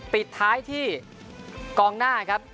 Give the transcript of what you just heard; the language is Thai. ปิดท้ายที่กองหน้าครับ